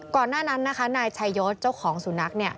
ก่อนหน้านั้นนายชายศเจ้าของสุนัข